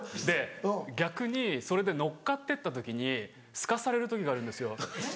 で逆にそれで乗っかってった時にすかされる時があるんですよ。